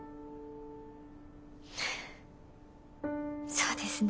そうですね。